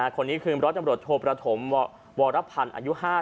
คนนี้คือร้อยตำรวจโทประถมวรพันธ์อายุ๕๐